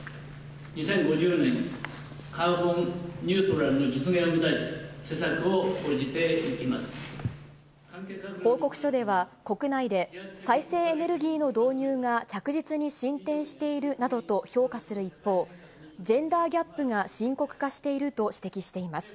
２０５０年カーボンニュートラルの実現を目指し、施策を講じてい報告書では、国内で再生エネルギーの導入が着実に進展しているなどと評価する一方、ジェンダーギャップが深刻化していると指摘しています。